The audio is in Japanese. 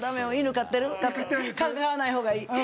飼わない方がいい。